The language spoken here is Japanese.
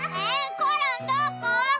コロンどこ？